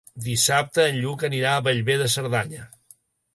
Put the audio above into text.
Dissabte en Lluc anirà a Bellver de Cerdanya.